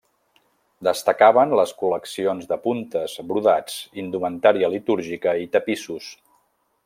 Destacaven les col·leccions de puntes, brodats, indumentària litúrgica i tapissos.